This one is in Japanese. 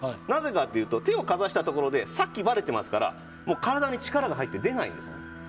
なぜかというと手をかざしたところでさっき、ばれてますから体に力が入って出ないんです。